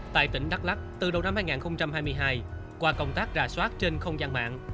tại tỉnh đắk lắc từ đầu năm hai nghìn hai mươi hai qua công tác rà soát trên không gian mạng